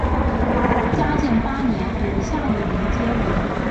嘉靖八年由夏玉麟接任。